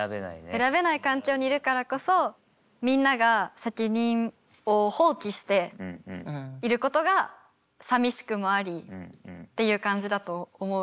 選べない環境にいるからこそみんなが責任を放棄していることがさみしくもありっていう感じだと思う。